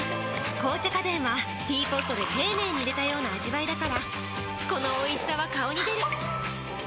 紅茶花伝は、ティーポットで丁寧にいれたような味わいだからこのおいしさは、顔に出る。